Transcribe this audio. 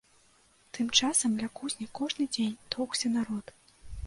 Тым часам ля кузні кожны дзень тоўкся народ.